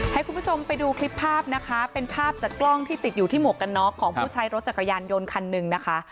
ให้คุณผู้ชมไปดูคลิปภาพนะคะเป็นภาพจากกล้องที่ติดอยู่ที่หมวกกันน็อกของผู้ใช้รถจักรยานยนต์คันหนึ่งนะคะ